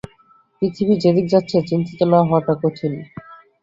পৃথিবী যেদিকে যাচ্ছে, চিন্তিত না হওয়াটা কঠিন।